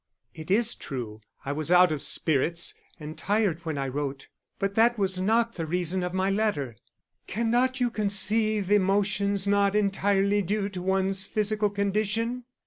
It is true I was out of spirits and tired when I wrote but that was not the reason of my letter. Cannot you conceive emotions not entirely due to one's physical condition?